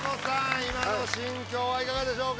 今の心境はいかがでしょうか？